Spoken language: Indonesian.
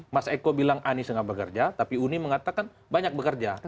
mas eko bilang anies nggak bekerja tapi uni mengatakan banyak bekerja